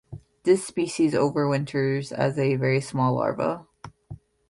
This species overwinters as a very small larva.